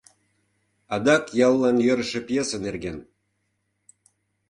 АДАК ЯЛЛАН ЙӦРЫШӦ ПЬЕСЕ НЕРГЕН